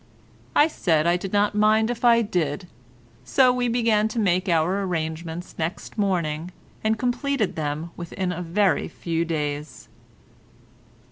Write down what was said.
I said I did not mind if I did, so we began to make our arrangements next morning, and completed them within a very few days.